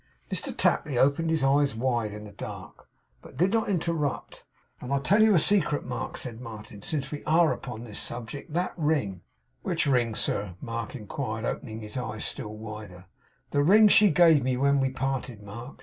Mr Tapley opened his eyes wide in the dark; but did not interrupt. 'And I'll tell you a secret, Mark,' said Martin, 'since we ARE upon this subject. That ring ' 'Which ring, sir?' Mark inquired, opening his eyes still wider. 'That ring she gave me when we parted, Mark.